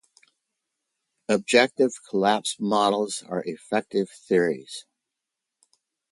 Objective collapse models are effective theories.